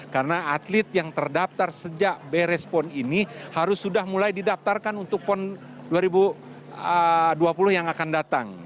karena atlet yang terdaftar sejak beres pon ini harus sudah mulai didaftarkan untuk pon dua ribu dua puluh yang akan datang